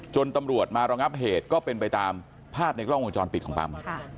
ตำรวจมาระงับเหตุก็เป็นไปตามภาพในกล้องวงจรปิดของปั๊ม